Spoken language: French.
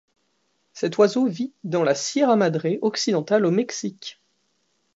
Cet oiseau vit dans la Sierra Madre occidentale au Mexique.